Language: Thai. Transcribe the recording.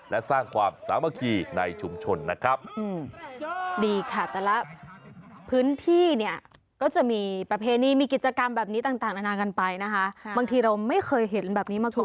และสร้างความสามัคคีในชุมชนนะครับ